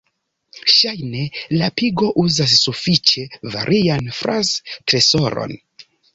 Ŝajne la pigo uzas sufiĉe varian fraz-tresoron.